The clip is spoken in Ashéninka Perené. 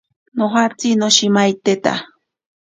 Nojatsi noshimaiteta.